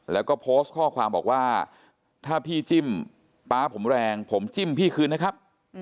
แล้วก็โพสต์ข้อความบอกว่าถ้าพี่จิ้มป๊าผมแรงผมจิ้มพี่คืนนะครับ